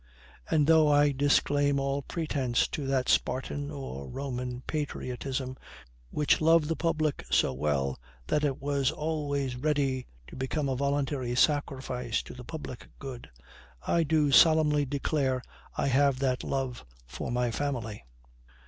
And though I disclaim all pretense to that Spartan or Roman patriotism which loved the public so well that it was always ready to become a voluntary sacrifice to the public good, I do solemnly declare I have that love for my family.